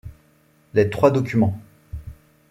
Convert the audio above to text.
Les trois documents